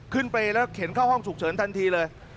เปรย์แล้วเข็นเข้าห้องฉุกเฉินทันทีเลย